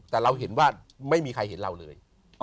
แต่เราเห็นว่าไม่มีใครเห็นเราเลย